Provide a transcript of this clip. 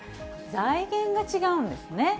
財源が違うんですね。